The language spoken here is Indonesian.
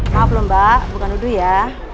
maaf lho mbak bukan udu ya